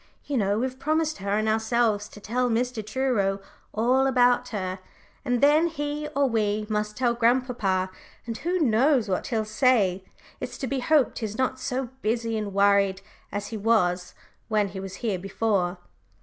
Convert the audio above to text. You know we've promised her and ourselves to tell Mr. Truro all about her, and then he or we must tell grandpapa, and who knows what he'll say? It's to be hoped he's not so busy and worried as he was when he was here before."